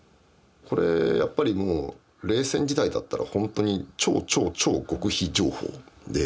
これやっぱりもう冷戦時代だったら本当に超超超極秘情報で